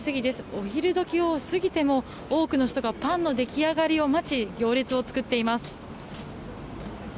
お昼時を過ぎても多くの人がパンの出来上がりを待ち行列を作っています。